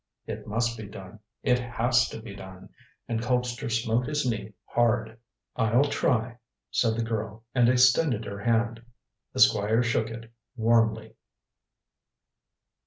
"It must be done; it has to be done," and Colpster smote his knee hard. "I'll try," said the girl and extended her hand. The Squire shook it warmly.